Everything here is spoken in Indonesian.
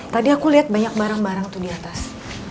tadi aku lihat banyak barang barang tuh di atas